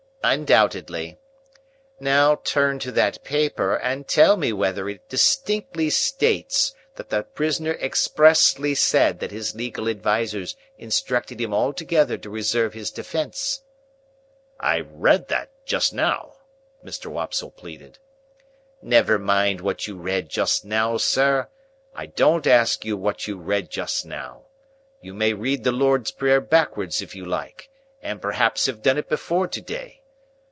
"Undoubtedly. Now, turn to that paper, and tell me whether it distinctly states that the prisoner expressly said that his legal advisers instructed him altogether to reserve his defence?" "I read that just now," Mr. Wopsle pleaded. "Never mind what you read just now, sir; I don't ask you what you read just now. You may read the Lord's Prayer backwards, if you like,—and, perhaps, have done it before to day.